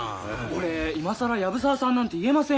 俺今更藪沢さんなんて言えませんよ。